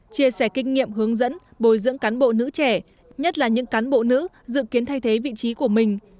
chia sẻ kinh nghiệm hướng dẫn bồi dưỡng cán bộ nữ trẻ nhất là những cán bộ nữ dự kiến thay thế vị trí của mình